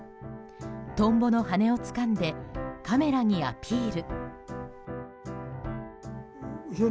トンボの羽をつかんでカメラにアピール。